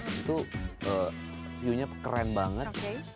itu view nya keren banget